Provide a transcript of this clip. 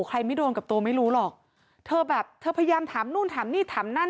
ใครไม่โดนกับตัวไม่รู้หรอกเธอแบบเธอพยายามถามนู่นถามนี่ถามนั่น